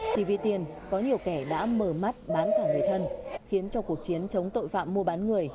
chỉ vì tiền có nhiều kẻ đã mở mắt bán cả người thân khiến cho cuộc chiến chống tội phạm mua bán người